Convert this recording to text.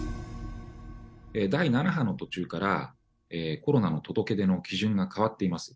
第７波の途中から、コロナの届け出の基準が変わっています。